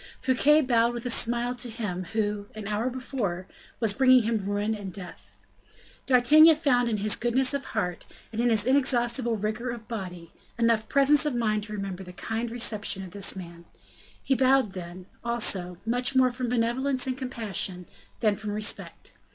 Fouquet bowed with a smile to him who, an hour before, was bringing him ruin and death. D'Artagnan found in his goodness of heart, and in his inexhaustible vigor of body, enough presence of mind to remember the kind reception of this man; he bowed then, also, much more from benevolence and compassion, than from respect.